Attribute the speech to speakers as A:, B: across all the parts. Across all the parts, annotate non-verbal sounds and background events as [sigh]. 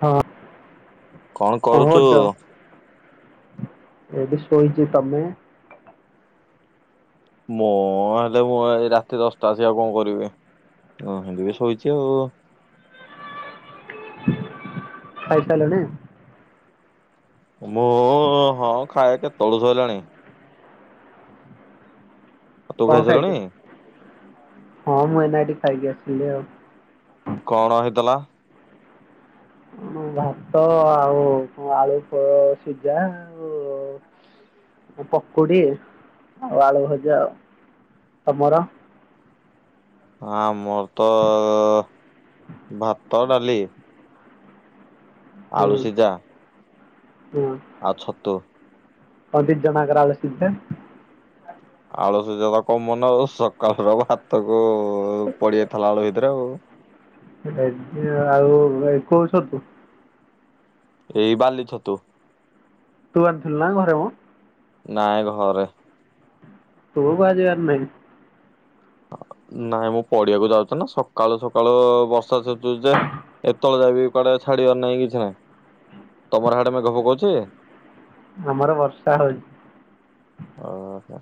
A: ହଁ କଣ କରୁଛ? ଏଠି ଶୋଇଛି ତମେ?
B: ମୁଁ ହେଲେ ମୁଁ ଏ ରାତି ଦଶଟାସିକି ଆଉ କଣ କରିବି [unintelligible] ସୋଇଛି ଆଉ।
A: ଖାଇସାରିଲଣି?
B: ମୁଁ ହଁ ଖାଇ କେତେବେଳୁ ସଇଲାଣି। ତୁ
A: କଣ ଖାଇଛ
B: ଖାଇସାରିଲୁଣି?
A: ହଁ ମୁଁ ଏୟିନା ଏଠି ଖାଇକି ଆସିଲି ଆଉ।
B: କଣ ହେଇଥିଲା?
A: ମୁଁ ଭାତ ଆଉ ଆଳୁ ସ ସିଝା ଆଉ ଏ ପକୁଡ଼ି ଆଉ ଆଳୁ ଭଜା ଆ ତମର?
B: ହଁ ମୋର ତ ଭାତ ଡାଲି। ଆଳୁ
A: ହୁଁ
B: ସିଝା
A: ହୁଁ।
B: ଆଉ ଛତୁ।
A: କଣ ଦୀ ଜଣ ଯାକର ଆଳୁ ସିଝା?
B: ଆଲୁ ସିଝା ତ କମନ୍ ଆଉ ସକାଳ ର ଭାତ କୁ ପଡ଼ିଯାଇଥିଲା ଆଳୁ ଭିତରେ ଆଉ।
A: ଆଉ କୋଉ ଛତୁ?
B: ଏଇ ବାଲି ଛତୁ।
A: ତୁ ଅଣିଥିଲୁ ନା ଘରେ ମ?
B: ନାଇଁ ଘରେ।
A: [unintelligible] ଆଜିବାର ନାଇଁ।
B: ନାଇଁ ମୁଁ ପଡିଆକୁ ଯାଉଛି ନା ସକାଳୁ-ସକାଳୁ ବର୍ଷା [unintelligible] ଏତଳ ଯାଏ ବି କୁଆଡେ ଛାଡିବାର ନାଇଁ କିଛି ନାହିଁ, ତମର ହାଡେ ମେଘ ପକଉଚି?
A: ଆମର ବର୍ଷା ହଉଛି।
B: ଓହୋ।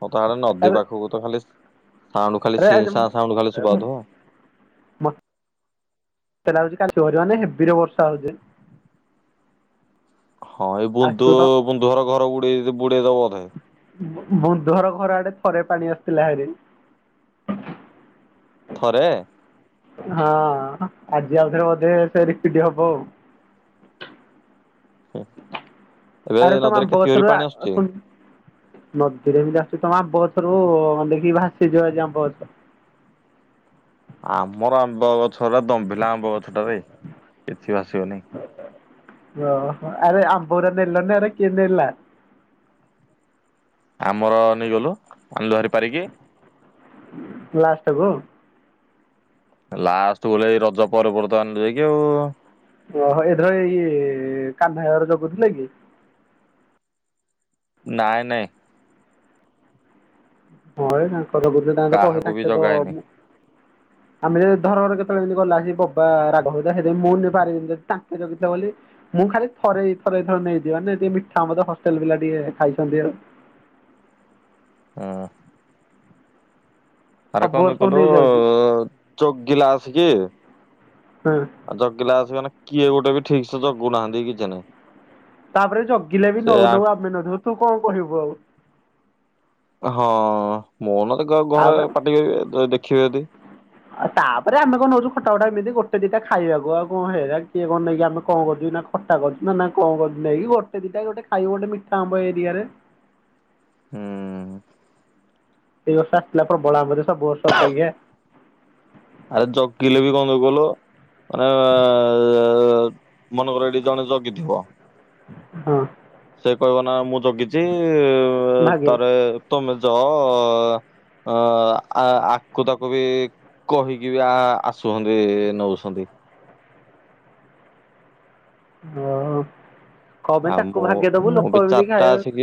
B: [unintelligible] ଆଡେ ନଦୀ
A: ଆରେ
B: ପାଖୁକୁ ତ ଖାଲି ସାଉଣ୍ଡୁ ଖାଲିି
A: ଆରେ
B: ସିଁ
A: ଆଜି
B: ସାଁ ଖାଲି ଶୁଭା
A: ମ-
B: ହଉଥିବ ଆଉ।
A: ମତେ [unintelligible] ହେବିରେ ବର୍ଷା ହଉଛି।
B: ହଁ ଏଇ ବୁନ୍ଦୁ
A: ଆସିବୁ ତ
B: ବୁନ୍ଦୁଘର ଘର ବୁଡେଇ ବୁଡେଇଦବ ବଧେ।
A: ବୁନ୍ଦୁଘର ଘରଆଡେ ଥରେ ପାଣି ଆସିଥିଲା ହାରି।
B: ଥରେ?
A: ହଁ ଆଜି ଆଉଥରେ ବୋଧେ ସେ ରିପିଟି ହବ ଆଉ।
B: ଏବେ
A: ଆରେ
B: ନଦୀରେ କେତେ ଜୋରି ପାଣି ଆସୁଛି?
A: [unintelligible] ନଦୀରେ ବି ଆସୁଛି ତମ ଆମ୍ବଗଛରୁ ଦେଖିକି ଭାସିଯିବ ଆଜି ଆମ୍ବଗଛ।
B: ଆମର ଆମ୍ବ ଗଛଟା ଦମ୍ଭିଲା ଆମ୍ବ ଗଛ ଟାରେ କିଛି ଭାସିବନି।
A: ଓହୋ ଆରେ ଆମ୍ବଗୁରା ନେଲନି ଆରେ କିିଏ ନେଲା।
B: ଆମର ନେଇଗଲୁ ଆଣିଲୁ ହାରି ପାରିକି।
A: ଲାଷ୍ଟକୁ?
B: ଲାଷ୍ଟ ବୋଇଲେ ଏଇ ରଜ ପରେ-ପରେ ତ ଆଣିଲୁ ଯାଇକି ଆଉ।
A: ଓହୋ ଏଇଥର ଏଇ କାନ୍ହା ହାଇ ଘର ଜଗୁଥିଲେ କି?
B: ନାଇଁ-ନାଇଁ।
A: ହଁ ଏଇ ତାଙ୍କର ଜଗୁଥିଲେ ତାଙ୍କ ତ କହି ତାଙ୍କେ ତ
B: ହଁ [inaudible]
A: ଆମେ ଯଦି ଧରର କେତବଳେ ଯେମିତି ଗଲା ସେ ବବା ରାଘବା ସେ ମୁଁ ପାରିବି ଯଦି ତାଙ୍କେ ଜଗିଥିବେ ବୋଲି ମୁଁ ଖାଲି ଥରେ ଦି ଥର ଏଇଥର ନେଇଚି, ମାନେ ଟିକେ ମିଠା ଆମ୍ବ ତ ହଷ୍ଟେଲ୍ ପିଲା ଟିକେ ଖାଇଛନ୍ତି ଆଉ।
B: ହୁଁ। ଆରେ
A: ସବୁ
B: କଣ
A: ବର୍ଷ ମୁଁ ନେଇଯାଉଛି
B: [unintelligible] ଜଗିଲା ଆସକିି।
A: ହୁଁ।
B: ଆଉ ଜଗିଲା ଆସିକି ମାନେ କିଏ ଗୋଟେ ବି ଠିକସେ ଜଗୁନାହାନ୍ତି କିଛି ନାହିଁ।
A: ତାପରେ ଜଗିଲେ ବି
B: ସେ ଆ
A: ନଉ-ନଉ ଆମେ ନଉ ତୁ କଣ କହିବୁ ଆଉ।
B: ହଁ ମୁଁ ନେଲେ ଘରେ
A: ତାପରେ
B: ପାଟି କରିବେ ଦେଖିବେ ଯଦି।
A: ଆଉ ତାପରେ ଆମେ କଣ ନଉଚୁ ଖଟା ଫଟା ଏମିତି ଗଟେ ଦିଟା ଖଇବାକୁ ଆଉ କଣ ହେରା କିଏ କଣ ନେଇକି ଆମେ କଣ କରୁଚୁ ନା। ଖଟା କରୁଚୁ ନା-ନା କଣ କରୁଚୁ ନେଇକି ଗୋଟେ ଦିଟା ଗୋଟେ ଖାଇବୁ ଗୋଟେ ମିଠା ଆମ୍ୱ ଏରିଆରେ।
B: ହୁଁ।
A: ଏଇ ବର୍ଷ ଆସିଥିଲା ପ୍ରବଳ ଆମ୍ବ ଯେ ସବୁ ବର୍ଷ ଅପେକ୍ଷା।
B: ଆରେ ଜଗିଲେ ବି କଣ [unintelligible] ମାନେ ମନେକର ଏଠି ଜଣେ ଜଗିଥିବ।
A: ହଁ।
B: ସେ କହିବ ନା ମୁଁ ଜଗିଛି
A: ଭାଗେ
B: ତାରେ ତମେ ଯାଅ। ଅ ଆକୁ ତାକୁ ବି କହିକି ବି ଆ ଆସୁସନ୍ତି ନଉସନ୍ତି।
A: ଓ [unintelligible]
B: ଆଉ
A: ତାକୁ
B: ମୁଁ
A: ଭାଗେ ଦବୁ
B: ମୁଁ ବି
A: ଲୋକ ଏମିତି
B: ଚାରିଟା
A: ଖାଇବେ।
B: ଆସିକି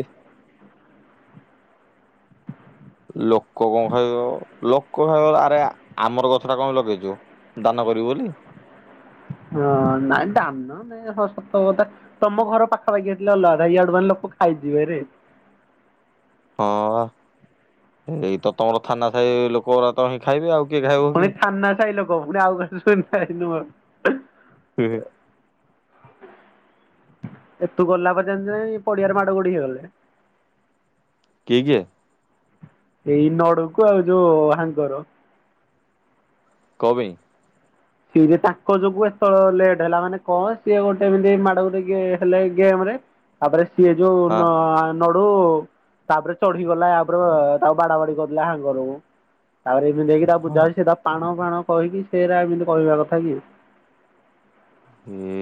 B: [inaudible] ଲୋକ କଣ ଖାଇବ ଲୋକ ଖାଇବ ଆରେ ଆମର ଗଛଟା କଣ ପାଇଁ ଲଗେଇଚୁ ଦାନ କରିବୁ ବୋଲି?
A: ହଁ ନାଇଁ ଦାନ ନାଇଁ ହଁ ସତକଥା ତମ ଘର ପାଖାପାଖି ହେଇଥିଲେ ଅଲଗା କଥା, ଇଆଡୁ ମାନେ ଲୋକ ଖାଇଯିବେ ରେ।
B: ହଁବା ଏଇ ତ ତମର ଥାନାସାଇ ଲୋକଗୋରା ତ ହିଁ ଖାଇବେ ଆଉ କିଏ ଖାଇବ। କି?
A: ଫୁଣି ଥାନସାଇ ଲୋକ [unintelligible]
B: କିଏ
A: ଏ ତୁ ଗଲା ପରେ ଜାଣିଚୁ ନା ନାଇଁ, ଏ ପଡିଆରେ ମାଡଗୋଡି ହେଇଗଲେ।
B: କିଏ-କିଏ?
A: ଏଇ ନଡୁକୁ ଆଉ ଯୋଉ ହାଙ୍ଗର।
B: କୱେ।
A: ସିଏ ଯେ ତାଙ୍କ ଯୋଗୁ ଏତେବେଳେ ଲେଟ ହେଲା ମାନେ କଣ ସିଏ ଗୋଟେ ଏମିତି ମାଡ ହେଲେ ଗେମରେ। ତାପରେ ସିଏ
B: ହଁ
A: ଯୋଉ- ନଡୁ ତାପରେ ଚଢିଗଲା ଉପରେ ତାକୁ ବାଡା ବାଡି କରିଦଲା ହାଙ୍ଗରକୁ। ତାପରେ ଏମିତି ଯକି ତା ବୁଝା
B: ହଁ
A: ହଉଛି ସେଇ ତାା ପାଣ ଫାଣ କହିକି ସେଇଟା ଏମିତି କହିବା କଥା କି?
B: ହୁଁ।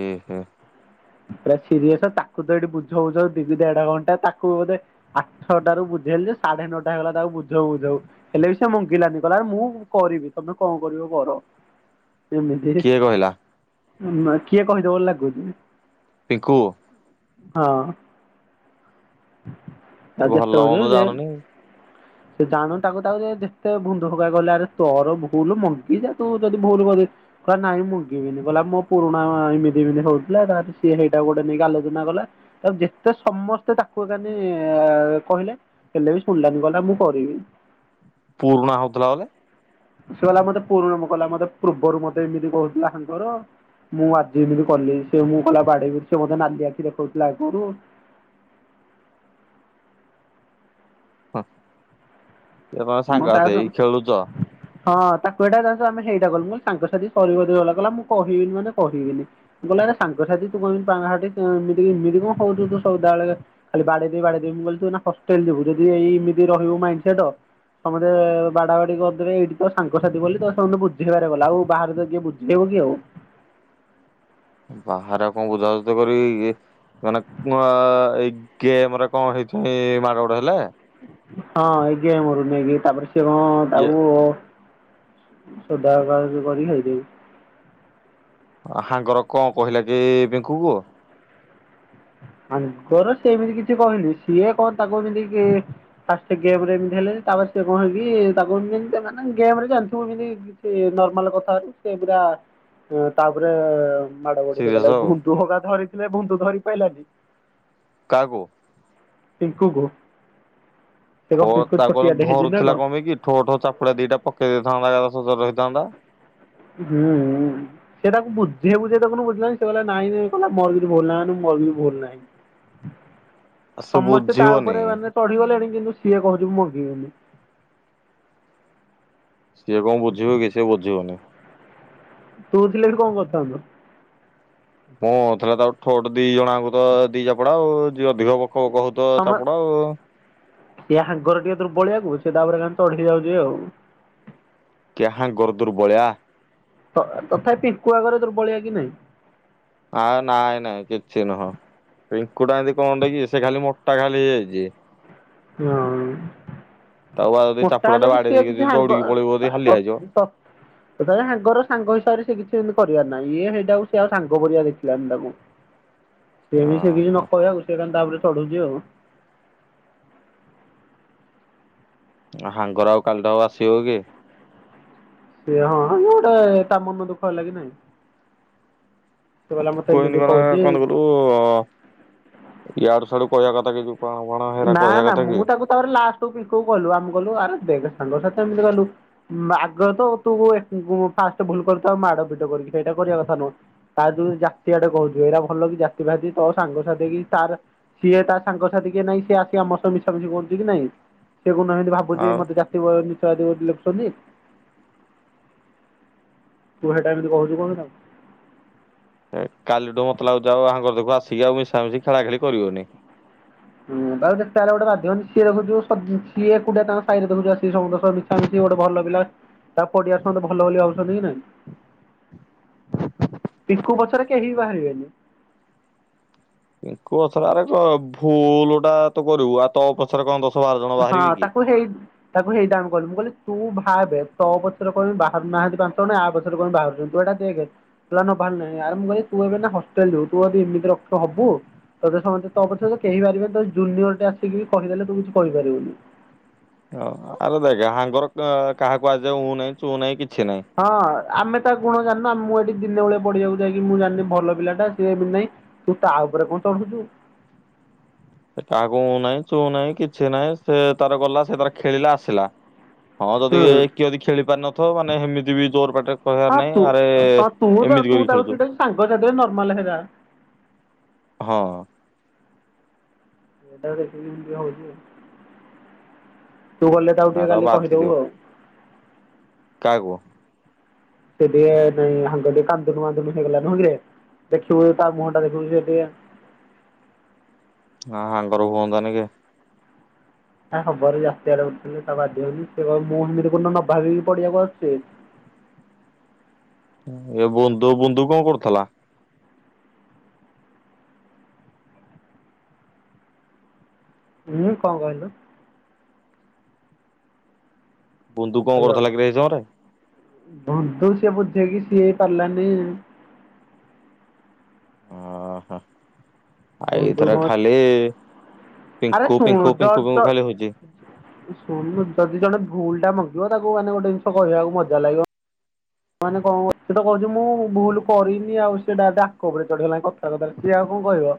A: ପୁରା ସିରିଅସ ତାକୁ ତ ଏଇଠି ବୁଝଉଛ ଦିଦି ତ ଏଡେ ବଡଟା ତାକୁ ବଧେ- ଆଠଟାରୁ ବୁଝେଇଲି ଯେ ସାଢେ ନଅଟା ହେଇଗଲା ତାକୁ ବୁଝଉ ବୁଝଉ। ହେଲେ ବି ସେ ମଙ୍ଗିଲାନି କହିଲା ଆ ମୁଁ କରିବି ତମେ କଣ କରିବ କର। ଏମିତି ଯେ
B: କିଏ କହିଲା?
A: କିଏ କହିଦବ ଓଲାକୁ।
B: ପିଙ୍କୁ।
A: ହଁ।
B: ସେ
A: ଆଉ ଯେତେ
B: ଭଲ
A: ବୁଝେଇବ
B: ମନ୍ଦ
A: ସେ
B: ଜାଣୁନି।
A: ସେ ଜାଣୁ ତାକୁ ତାକୁ ଯେତେ ବୁନଦା ହେରିକା କହିଲେ ଆରେ ତୋର ଭୁଲ ମଙ୍ଗିଯା ତୁ ଯଦି ଭୁଲ କରି- କହିଲା ନାଇଁ ମଙ୍ଗିବିନି କହିଲା ମୋର ପୁରୁଣା ଏମିତି ଏମିତି ହଉଥିଲା ତା- ସିଏ ସେଇଟାକୁ ଗୋଟେ ନେଇକି ଆଲୋଚନା କଲା ତା ଯେତେ ସମସ୍ତେ ତାକୁ କ କହିଲେ? ହେଲେ ବି ଶୁଣିଲାନି ଗଲା ମୁଁ କରିବି।
B: ପୁରୁଣା ହଉଥିଲା ବୋଲେ।
A: ସେ କଲା ମତେ ପୁରୁଣ କଲା ମତେ ପୂର୍ବରୁ ମତେ ଏମିତି କହୁଥିଲା ହାଙ୍ଗର। ମୁଁ ଆଜି ଏମିତି କଲି ସେ ମୁଁ କଲା ବାଡେଇ ସେ ମୋତେ ନାଲି ଆଖି ଦେଖଉଥିଲା ଆଗରୁ
B: ହ ଏ ତମେ
A: ହଁ
B: ସାଙ୍ଗ ସାଥି
A: ତା
B: ହେଇ ଖେଳୁଛ।
A: ହଁ ତାକୁ ଏଇଟା ଆମେ ହେଇଟା କଲୁ ସାଙ୍ଗସାଥି ସିଏ ଗ କଲା ମୁଁ କହିବିନି ମାନେ କହିବିନି। ମୁଁ କହିଲି ଆରେ ସାଙ୍ଗସାଥି ତୁ କଣ ଏମିତି ପାଣହାତି ଏମିତି ଏମିତି କଣ ହଉଛୁ ସଦାବେଳେ। ଖାଲି ବାଡେଇଦେବି ବାଡେଇଦେବି ମୁଁ କହିଲି ନା ହଷ୍ଟେଲ ଯିବୁ ଯଦି ଏଇ ଏମିତି ରହିବୁ ମାଇଚିଆତ ସମସ୍ତେ ବାଡା ବାଡି କରିଦେବେ ଏଇଠି ତ ସାଙ୍ଗସାଥି ବୋଲି ତ ସେମାନେ ବୁଝେଇ ବାରେ ଗଲା ବାହାରେ ତ କିଏ ବୁଝେଇବ କି ଆଉ
B: ବାହାରେ କଣ ବୁଝାସୁଝା କରିବେ କିଏ? ମାନେ ଏଇ ଗେମରେ କଣ ହେଇଛି ମାଡ ଗୋଡ ହେଲା?
A: ହଁ ଏଇ ଗେମରୁ ନେଇକି ତାପରେ ସେ କଣ
B: ଇଏ
A: ତାକୁ ସୋଦା ସୋଦି କରି କି ହେଇଥିବେ।
B: ହାଙ୍ଗର କଣ କହିଲା କି ପିଙ୍କୁକୁ
A: ଆଙ୍କର ସେ ଏମିତି କିଛି କହିନି ସିଏ କଣ ତାକୁ ଏମିତି କି ଫାଷ୍ଟଗେମରେ ଏମିତି ହେଲେ ତାପରେ ସେ କଣ ହେକି ତାକୁ ମାନେ ଗେମରେ ଜାଣିଥିବୁ ଏମିତି। ସିଏ ନର୍ମାଲ କଥା ହେଉଛି ସେ ପୁରା ତାପରେ ମାଡ ଗୋଡି
B: ସିରିୟସ
A: ହେଇଗଲା
B: ଆଉ।
A: ବୁଟୁ ହଗା ଧରିଥିଲେ ବୁଟୁ ଧରି ପାଇଲାନି।
B: କାହାକୁ?
A: ପିଙ୍କୁକୁ ସେ କଣ
B: ଠୋ
A: ପିଙ୍କୁ
B: ତାକୁ
A: ଛୋଟିଆଟେ ହେଇଛି ନା
B: ଧରୁଥିଲା କଣ ଯେଇଁକି ଠୋ ଠୋ ଚାପୁଡା ଦିଟା ପକେଇ ଦେଇଥାନ୍ତା ସ ଜର ହେଇଥାନ୍ତା।
A: ହୁଁ ଉଁ। ସେଟାକୁ ବୁଝେଇ ବୁଝେଇ ତାକୁୁ ବୁଝିଲାନି ସେ କହିଲା ନାଇଁ ନାଇଁ [inaudible] ବୋଲି।
B: ସେ ବୁଝିବନି।
A: ଉପରେ ମାନେ ଚଢିଗଲେଣି କିନ୍ତୁ ସିଏ କହୁଛିି ମୁଁ ମଙ୍ଗିବିନି।
B: ସିଏ କଣ ବୁଝିବ କି ସିଏ ବୁଝିବନି।
A: ତୁ ଥିଲେ ଏଠି କଣ କରିଥାନ୍ତୁ?
B: ମୁଁ ଥିଲା ତ ଠୋ ଠୋ ଦି ଜଣଙ୍କୁ ତ ଦି ଚାପଡା ଆଉ ଯେ ଅଧିକ ବକବକ ହୋଉ ତ
A: ସମ
B: ଚାପୁଡା ଆଉ
A: ୟା ହଙ୍ଗର ଟିକେ ଦୁରବଳିଆକୁୁ ସେ ତାପରେ କା ଚଢି ଯାଉଛି ଆଉ
B: କାହାଙ୍ଗର ଦୁରବଳିଆ।
A: ତଥାପି ପିଙ୍କୁ ଆଗରେ ଦୁର୍ବଳିଆ କି ନାହିଁ?
B: ଆ ନାଇଁ ନାଇଁ କିଛି ନୁହଁ ପିଙ୍କୁଟା ଏମିତି କଣ କିି ସେ ଖାଲି ମୋଟା ଖାଲି ହେଇଯାଇଛି।
A: ହଁ।
B: ତାକୁ ଆଉ
A: ମୋଟା
B: ଚାପଡ଼ା
A: ହେଲେ
B: ଟା
A: ବି
B: ବାଡେଇ
A: ସିଏ
B: ଦେଇକି
A: କିଛି
B: ଯ
A: ହାଙ୍ଗ
B: ଦୌଡିକି
A: ତ
B: ପଳେଇବ ହାଲିଆ ହେଇଯିବ
A: ତ ତଥାପି ସାଙ୍ଗର ସାଙ୍ଗ ହିସାବରେ ସେ କିଛି ଏମିତି କରିବାର ନାହିଁ ଇଏ ସେଇଟାକୁ ସେ ଆଉ ସାଙ୍ଗ ପରିବା ଦେଖିଲାନି ତାକୁ ସେ ସେ ନ
B: ଅହ
A: କହିବାକୁ ସେ ଖାଲି ତାପରେ ଚଢ଼ୁଛି ଆଉ।
B: ସାଙ୍ଗର ଆଉ କାଲିଟା ଆଉ ଆସିବ କି?
A: ସେ ହଁଁ ଗୋଟେ ତା ମନ ଦୁଃଖ ହେଲା କି ନାଇଁ। ସେବେଲେ ମତେ ଏମିତି କହୁଛି
B: ତୁ ୟାଡୁ ସଡୁ କହିବା କଥା କି ଯୋଉ କାଣ ଫାଣ ହେରା କହିବା କଥା କି?
A: ତା ଲାଷ୍ଟ ପିଲକୁ ଗଲୁ ଆମ ଗଲୁ ଆର ଦେଖେ ସାଙ୍ଗ ସାଥି ଏମିତି ଗଲୁ। ଆଗ ତ ତୁ ଫାଷ୍ଟ ଭୁଲ କରଛୁ ଆଉ ମାଡ ବିିଡ କରିକି ସେଇଟା କରିବା କଥା ନୁହଁ। ତା ଯୋଉ ଜାତିଆଡେ କହୁଛି ଏଇଟା ଭଲ କି ଜାତି ବାତି ତୋ ସାଙ୍ଗସାଥି କି ତାର୍ ସିଏ ତା ସାଙ୍ଗସାଥି କିଏ ନାଇଁ ସିଏ ଆସି ଆମ ସହ ମିଶାମିଶି କୁରୁଛି କି ନାଇଁ ସେ କୁହନ୍ତି ଭାବୁଛି
B: ଆଉ
A: ମତେ ଜା ତି [unintelligible] ତୁ ହେଟା ଏମିତି କହୁଛୁ କଣ ତାକୁ?
B: କାଲିଠୁ ମତେ ଲାଗୁଛି ଆଉ ଆଙ୍କର ଯୋଗୁ ଆସିକି ଆଉ ମିଶାମିଶି ଖେଳା ଖେଳି କରିବନି।
A: ହୁଁ ତାପରେ ଯେତେହେଲେ ଗୋଟେ ବାଧିବନି ସିଏ ଦେଖୁଛୁ ସିଏ ଏକୁଟିଆ ତାଙ୍କ ସାହିରେ [unintelligible] ତାପରେ ସେ ଗୋଟେ ଭଲ ପିଲା। ତା ପଡିଆସନ୍ତୁ ଭଲ ବୋଲି ଭାବଛନ୍ତି କି ନାଇଁ ପିଙ୍କୁ ପଛରେ କେହି ବାହାରିବେନି,
B: ଏଙ୍କୁ ଅସରେ ଆରେ ଭୁଲ ଟା ତ କରିବୁ ଆଉ ତୋ ପସରେ କଣ ଦଶ ବାର ଜଣ
A: ହଁ
B: ବାହାରିବି କି?
A: ତାକୁ ହେଇ ତାକୁ ହେଇଟା ଆମେ କହିଲୁ ମୁଁ କିହିଲି ଭାବେ ତୋ ପଛରେ କଣ ବାହାରୁ ନାହାନ୍ତି ପାଞ୍ଚଜଣ ୟା ପଛରେ କଣ ପାଇଁ ବାହାରୁଛନ୍ତି? ତୁ ଏଟା ଦେଖେ ତୁ ଏବେ ହେବାର ନାହିଁ ଆରେ ମୋ ଭାଇ ଏବେ ହଷ୍ଟେଲ ଯୁ ତୁ ଯଦି ଏମିତି ର ହବୁ ତୋ ସମସ୍ତେ ତୋ ପଛ କେହିପାରିବେନି ତ ଜୁନିୟର ଟେ ଆସିକି ବି କହିଦେଲେ ତୁ କିଛି କହିପାରିବୁନି।
B: ଓ ଆରେ ଦେଖା ହାଙ୍ଗର ତ କାହାକୁ ଆଜିିଯାଏ ଉ ନାହିଁ ଚୁ ନାହିଁ କିଛି ନାହିଁ।
A: ହଁ ଆମେ ତା ଗୁଣ ଜାନିନୁ ମୁଁ ଏଠି ଦିନେବେଳେଆ ପଢିବାକୁ ଯାଇକି ମୁଁ ଜାଣିଲି ଭଲ ପିଲା ଟା ସିଏ କି ନାହିଁ। ତୁ ତା ଉପରେ କଣ ଚଢୁଛୁ?
B: ସେ କାହାକୁ ଉ ନାହିଁ ଚୁଉ ନାହିଁ କିଛି ନାହିଁ ସେ ତାର ଗଲା ସେ ତାର ଖେଳିଲା ଆସିଲା। ହଁ ଯଦି
A: ହୁଁ
B: କିଏ ଯଦି ଖେଳି ପାରିନଥିବ ମାନେ ସେମିତି ବି ଜୋର ପାଟିରେ
A: ହଁ
B: କହିବାର
A: ତୁ
B: ନାହିଁ ଆରେ
A: ହଁ ତୁ ତୁ
B: ଏମିତି
A: ତାକୁ
B: କରିକି
A: ଚିଡାଉଛୁ
B: ଖେଳୁଛୁ
A: ସେଇଟା ସାଙ୍ଗ ସାଥି ରେ ନର୍ମାଲ ହେରା।
B: ହଁ।
A: ଟା ଦେଖିବିତି ହଉଛି ତୁ ଗଲେ ତାକୁ
B: ନା
A: ଟିକେ କାଲି
B: ବାଧିଦିଅ
A: କହିଦବୁ ଆଉ
B: କାହାକୁ?
A: ସେ ଟିକେ ନାଇଁ ହଙ୍ଗ ଟିକେ କାନ୍ଦୁଣୁମାଦୁନୁ ହେଇଗଲା ନାଁ ରେ ଦେଖିବୁ ତା ମୁହ ଟା ଦେଖିବୁ ସେ ଟିକେ
B: ହଁ ହାଙ୍ଗର ହୁଅନ୍ତା ନି କେ
A: ନା ହେବନି ଜାତି ଆଡ କରଥିଲେ ତା ବାଧିବନି ସେ କହିବ ମୁଁ ସେମିତି କଣ ନ ଭାବିକି ପଡିଆକୁ ଆସୁଛି
B: ଏ ବୁନ୍ଧୁ ବୁଧୁ କଣ କରୁଥିଲା?
A: ହୁଁ କଣ କହିଲୁ?
B: ବୁନ୍ଧୁ କଣ କରୁଥିଲା କିରେ ସେଇ ସମୟରେ?
A: ବୁଧୁ ସିଏ ବୁଝେଇକି ସିଏ ହେଇ ପାରିଲାନି
B: ଓହୋ।
A: ଭଣ୍ଡୁ
B: ଏଇଥିରେ
A: କଣ
B: ଖାଲି
A: ଆରେ
B: ପିଙ୍କୁ
A: ଶୁଣୁ
B: ପିଙ୍କୁ
A: ଜ
B: ପିଙ୍କୁ ପିଙ୍କୁ
A: ଜ
B: ଖାଲି ହଉଛି।
A: ଶୁଣୁ ଯଦି ଜଣେ ଭୁଲ ଟା ମାଗିବ ତାକୁ ମାନେ ଗୋଟେ ଜିନିଷ କହିବାକୁ ମଜା ଲାଗିବ ମାନେ କଣ ସେତ କହୁଛି ମୁଁ ଭୁଲ କରିନି ଆଉ ସେ ଡାଇରେକ୍ଟ ୟାଙ୍କ ଉପରେ ଚଢେଇଗଲାଣି କଥା କଥାରେ ସିଏ ଆଉ କଣ କହିବ